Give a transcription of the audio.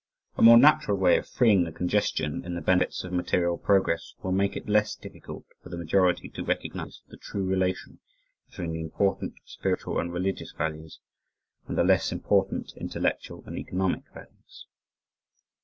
A more natural way of freeing the congestion in the benefits of material progress will make it less difficult for the majority to recognize the true relation between the important spiritual and religious values and the less important intellectual and economic values.